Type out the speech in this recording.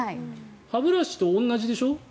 歯ブラシと同じでしょ？